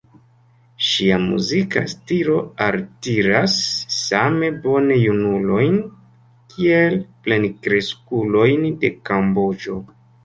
Ŝia muzika stilo altiras same bone junulojn kiel plenkreskulojn de Kamboĝo.